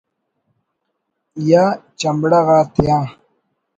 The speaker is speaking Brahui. یا چمڑہ غاتیا